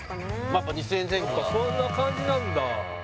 やっぱ２０００円前後かやっぱそんな感じなんだ